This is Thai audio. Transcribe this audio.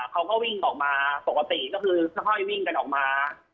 เขาก็วิ่งออกมาปกติก็คือค่อยวิ่งกันออกมา